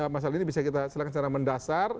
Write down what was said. masalah ini bisa kita silakan secara mendasar